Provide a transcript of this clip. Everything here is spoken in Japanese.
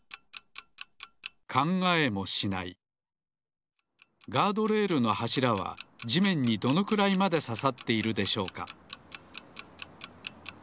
考えもしないガードレールのはしらはじめんにどのくらいまでささっているでしょうか？